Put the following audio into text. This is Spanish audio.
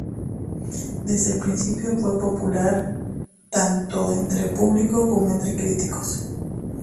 Desde el principio fue muy popular tanto entre el público como entre los críticos.